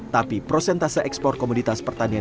tapi prosentase ekspor komoditas pertanian